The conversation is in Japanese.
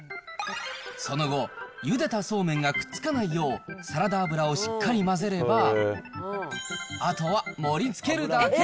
その後、ゆでたそうめんがくっつかないよう、サラダ油をしっかり混ぜれば、あとは盛りつけるだけ。